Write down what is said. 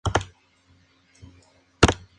tienen fecha de caducidad